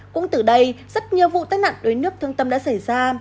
cũng từ đây rất nhiều vụ tai nạn đuối nước thương tâm đã xảy ra